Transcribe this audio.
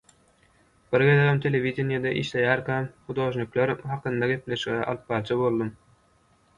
Bir gezegem, telewideniýede işleýärkäm hudojnikler hakynda gepleşige alypbaryjy boldum.